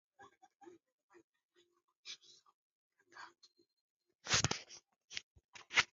alishinda Mosul Syria Palestina na Misri halafu Hungary na Algeria